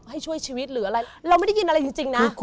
ให้ช่วยชีวิตหรืออะไรเราไม่ได้ยินอะไรจริงนะ